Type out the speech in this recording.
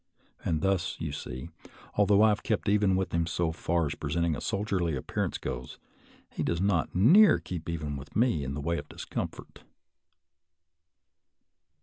And thus, you see, although I have kept even with him so far as presenting a soldierly appear ance goes, he does not near keep even with me in the way of discomfort.